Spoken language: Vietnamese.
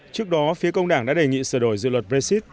trước đó phía công đảng đã đề nghị sửa đổi dự luật brexit